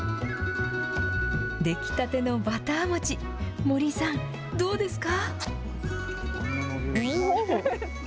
出来たてのバター餅、森井さん、どうですか。